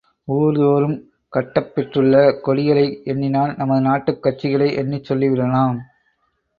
ஊர்தோறும் கட்டப்பெற்றுள்ள கொடிகளை எண்ணினால் நமது நாட்டுக் கட்சிகளை எண்ணிச் சொல்லிவிடலாம்!